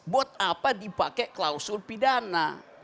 buat apa dipakai klausul pidana